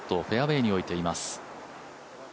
フェアウエーに置いています。